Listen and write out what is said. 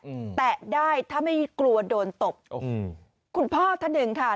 แตะได้ถ้าไม่กลัวโดนตบอืมคุณพ่อท่านหนึ่งค่ะ